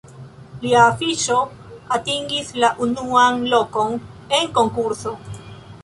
Lia afiŝo atingis la unuan lokon en konkurso.